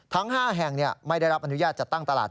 ทั้ง๕แห่งไม่ได้รับอนุญาตจัดตั้งตลาด